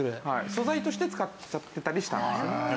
素材として使っちゃってたりしたんですよね。